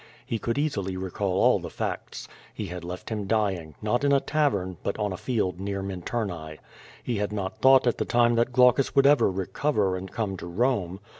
He could easily recall all the facts. He had left him dying, not in a tavern, but on a field near Minturnae. He had not thought at the time that Olaueus would ever recover and come to Kome.